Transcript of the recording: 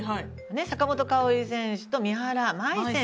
坂本花織選手と三原舞依選手。